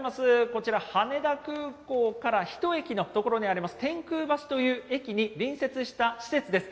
こちら、羽田空港から１駅の所にあります、天空橋という駅に隣接した施設です。